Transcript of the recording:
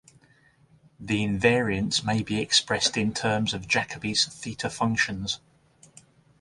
The invariants may be expressed in terms of Jacobi's theta functions.